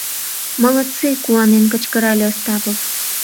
— Молодцы! — куанен кычкырале Остапов.